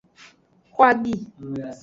Xo abi.